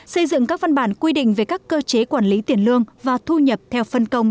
xây dựng các văn bản quy định về các cơ chế quản lý tiền lương và thu nhập theo phân công